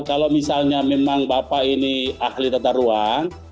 kalau misalnya memang bapak ini ahli tata ruang